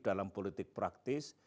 dalam politik praktis